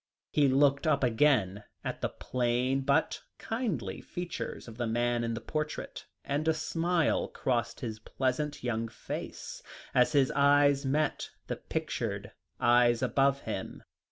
He looked up again at the plain but kindly features of the man in the portrait, and a smile crossed his pleasant young face, as his eyes met the pictured eyes above him.